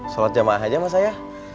sholat jumat aja mas saya